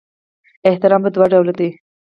احترام په دوه ډوله دی.